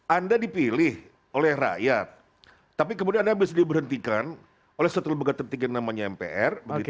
anda dipilih oleh rakyat tapi kemudian anda bisa diberhentikan oleh satu lembaga tertinggi namanya mpr